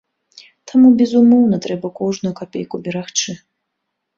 Таму безумоўна трэба кожную капейку берагчы.